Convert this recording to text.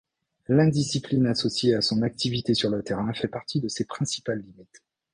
L'indiscipline associée à son activité sur le terrain fait partie de ses principales limites.